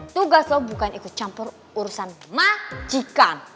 tugas lo bukan ikut campur urusan majikan